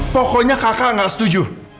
pokoknya kakak gak setuju